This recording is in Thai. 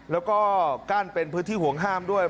แล้วก็กั้นเป็นพื้นที่ห่วงห้ามด้วย